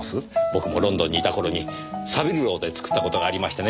僕もロンドンにいた頃にサヴィルロウで作った事がありましてね。